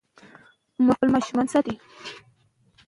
موږ د خپلو مشرانو په پله پل ږدو.